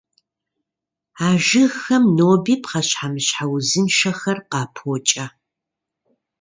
А жыгхэм ноби пхъэщхьэмыщхьэ узыншэхэр къапокӀэ.